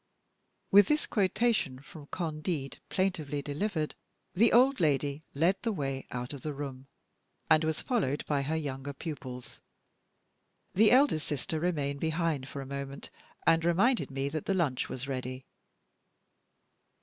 _ With this quotation from "Candide," plaintively delivered, the old lady led the way out of the room, and was followed by her younger pupils. The eldest sister remained behind for a moment, and reminded me that the lunch was ready.